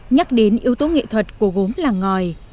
nhắc đến yếu tố nghệ thuật của gốm làng ngòi